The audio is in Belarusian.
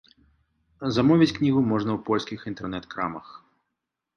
Замовіць кнігу можна ў польскіх інтэрнэт-крамах.